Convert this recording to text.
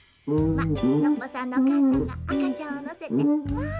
ノッポさんのおかあさんがあかちゃんをのせて。